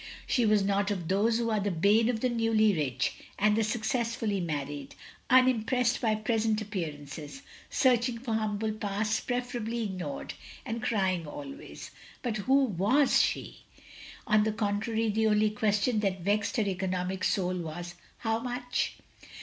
She was not of those who are the bane of the newly rich, and the successfully married, unimpressed by present appearances, searching for humble pasts preferably ignored, and crying always. But who was she? On the contrary the only question that vexed her economic sotd was. How much?